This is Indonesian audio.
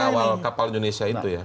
mengawal kapal indonesia itu ya